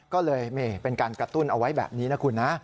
ก็เลยเป็นการกระตุ้นเอาไว้แบบนี้นะคุณนะ